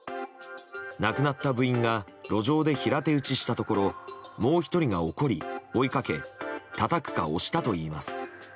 亡くなった部員が路上で平手打ちしたところもう１人が怒り追いかけたたかくか押したといいます。